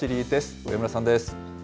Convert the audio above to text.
上村さんです。